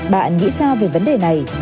bạn nghĩ sao về vấn đề này